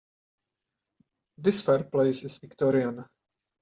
This fireplace is Victorian.